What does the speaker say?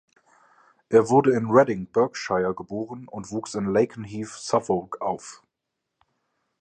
Er wurde in Reading, Berkshire, geboren und wuchs in Lakenheath, Suffolk, auf.